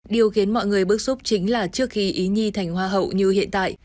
điều khiến mọi người bức xúc chính là trước khi ý nhi thành hoa hậu như hiện tại